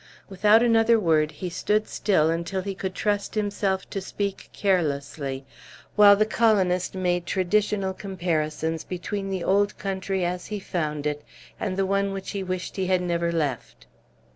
Without another word he stood until he could trust himself to speak carelessly, while the colonist made traditional comparisons between the old country as he found it and the one which he wished he had never left.